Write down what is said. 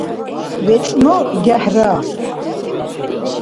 вецӀну гехӀра